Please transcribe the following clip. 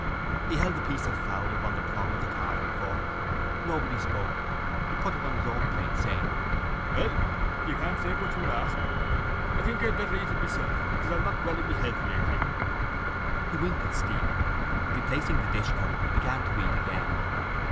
He held a piece of fowl up on the prong of the carvingfork. Nobody spoke. He put it on his own plate, saying: —Well, you can't say but you were asked. I think I had better eat it myself because I'm not well in my health lately. He winked at Stephen and, replacing the dishcover, began to eat again.